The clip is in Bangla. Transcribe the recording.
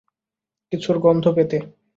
কিছুর গন্ধ পেতে।